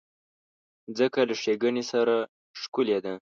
مځکه له ښېګڼې سره ښکلې ده.